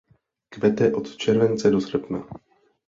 Kvete od července do srpna.